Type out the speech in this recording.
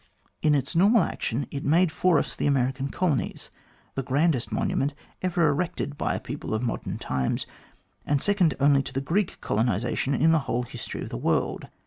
In its normal action, it made for us the American colonies, the grandest monument ever erected by a people of modern times, and second only to the Greek colonisation in the whole history of the world.